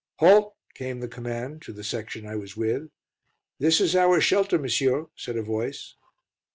"Halt!" came the command to the section I was with. "This is our shelter, monsieur," said a voice.